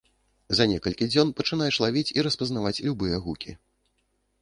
За некалькі дзён пачынаеш лавіць і распазнаваць любыя гукі.